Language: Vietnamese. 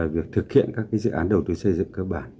việc thực hiện các dự án đầu tư xây dựng cơ bản